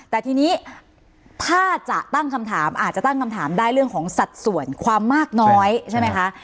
แต่ทีนี้ถ้าจะตั้งคำถามอาจจะตั้งคำถามได้เรื่องของสัดส่วนความมากน้อยใช่ไหมคะ